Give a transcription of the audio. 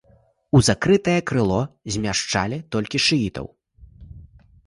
У закрытае крыло змяшчалі толькі шыітаў.